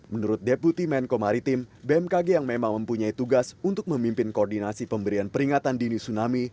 menurut deputi menko maritim bmkg yang memang mempunyai tugas untuk memimpin koordinasi pemberian peringatan dini tsunami